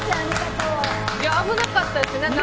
危なかったです。